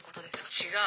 「違う。